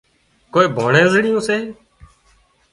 ڪوئي ڀانڻزڙيون سي